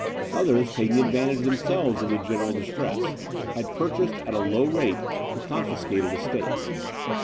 Others, taking advantage themselves of the general distress, had purchased, at a low rate, the confiscated estates.